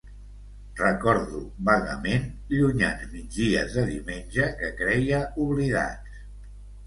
Recordo vagament llunyans migdies de diumenge que creia oblidats.